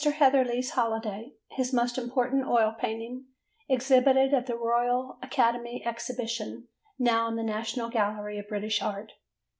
Heatherley's Holiday," his most important oil painting, exhibited at the Royal Academy Exhibition, now in the National Gallery of British Art.